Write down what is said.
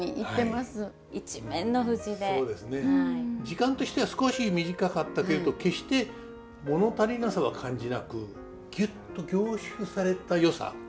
時間としては少し短かったけれど決して物足りなさは感じなくギュッと凝縮されたよさ。